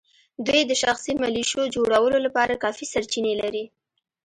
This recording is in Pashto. دوی د شخصي ملېشو جوړولو لپاره کافي سرچینې لري.